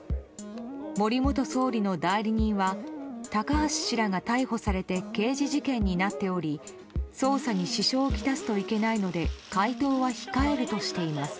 森元総理の代理人は高橋氏らが逮捕されて刑事事件になっており捜査に支障を来すといけないので回答は控えるとしています。